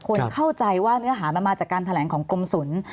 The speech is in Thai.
คนเข้าใจว่าเนื้อหามันมาจากการแถลงของกรมศูนย์